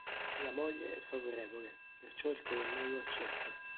La moglie è favorevole, perciò il colonnello accetta.